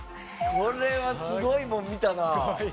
これは、すごいもん見たな！